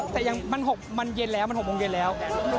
แต่ยังมันเย็นแล้วมัน๖โมงเย็นแล้ว